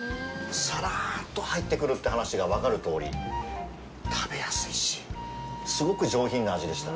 さらっと入ってくるって話が分かるとおり、食べやすいし、すごく上品な味でした。